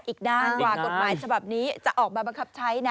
อีกด้านกว่ากฎหมายฉบับนี้จะออกมาบังคับใช้นะ